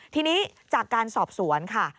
ทีนี้จากการสอบสวนค่ะ